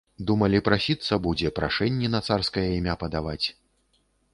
Думалі, прасіцца будзе, прашэнні на царскае імя падаваць.